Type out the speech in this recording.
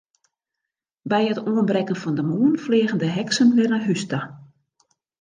By it oanbrekken fan de moarn fleagen de heksen wer nei hús ta.